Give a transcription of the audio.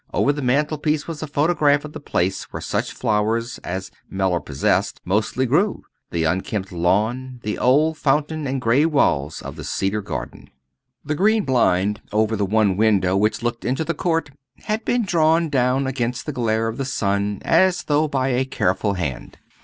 And over the mantelpiece was a photograph of the place where such flowers as Mellor possessed mostly grew the unkempt lawn, the old fountain and grey walls of the Cedar Garden. The green blind over the one window which looked into the court, had been drawn down against the glare of the sun, as though by a careful hand.